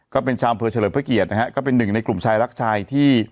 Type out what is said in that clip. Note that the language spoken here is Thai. ก็เป็นชาวอำเภอเฉลิมพระเกียรตินะฮะก็เป็นหนึ่งในกลุ่มชายรักชายที่